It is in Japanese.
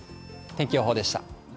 天気予報でした。